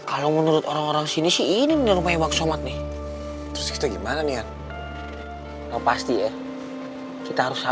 ah lu gak dengerin omongan gue